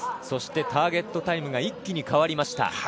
そして、ターゲットタイムが一気に変わりました。